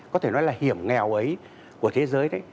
có thể nói là hiểm nghèo ấy của thế giới đấy